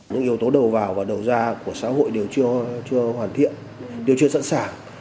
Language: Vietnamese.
những yếu tố đầu vào và đầu ra của xã hội đều chưa hoàn thiện đều chưa sẵn sàng